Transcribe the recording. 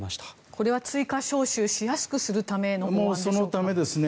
これは追加招集しやすくするためのそのためですね。